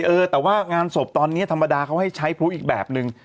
เออแต่ว่างานศพตอนนี้ธรรมดาเขาให้ใช้พลุอีกแบบนึง